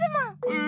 え！